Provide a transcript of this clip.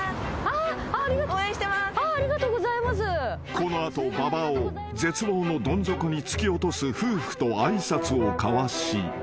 ［この後馬場を絶望のどん底に突き落とす夫婦と挨拶を交わし］